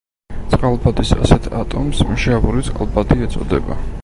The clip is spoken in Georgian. წყალბადის ასეთ ატომს მჟავური წყალბადი ეწოდება.